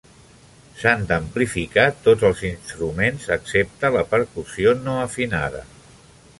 S'han d'amplificar tots els instruments, excepte la percussió no afinada.